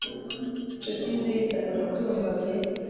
nshuti nziza, urabyumva pe